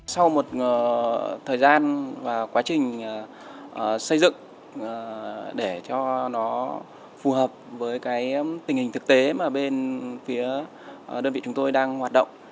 sau một thời gian và quá trình xây dựng để cho nó phù hợp với tình hình thực tế mà bên phía đơn vị chúng tôi đang hoạt động